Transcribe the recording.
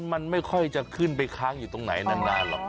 มันไม่ค่อยจะขึ้นไปค้างอยู่ตรงไหนนานหรอก